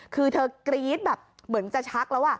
คือเธอกรี๊ดแบบเหมือนจะชักแล้ว